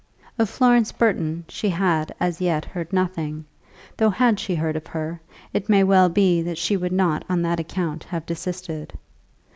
Of Florence Burton she had as yet heard nothing, though had she heard of her, it may well be that she would not on that account have desisted.